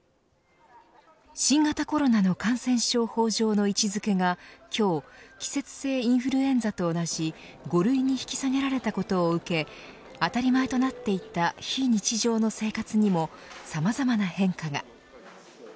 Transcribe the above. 新型コロナの感染症法上の位置付けが今日季節性インフルエンザと同じ５類に引き下げられたことを受け当たり前となっていた非日常の生活にもさまざまな変化が。